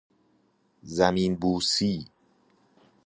زمین بوسی